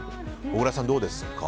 小倉さん、どうですか？